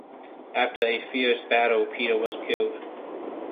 After a fierce battle, Peter was killed.